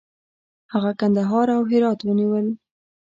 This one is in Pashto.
هغه کندهار او هرات ونیول.